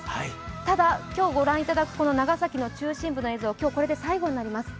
ただ、今日御覧いただく長崎の中心部の映像、今日これで最後になります。